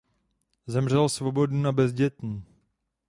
Zemřel svobodný a bezdětný.